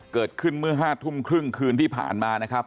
เกิดขึ้นเมื่อ๕ทุ่มครึ่งคืนที่ผ่านมานะครับ